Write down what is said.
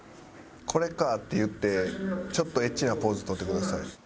「これか」って言ってちょっとＨなポーズ取ってください。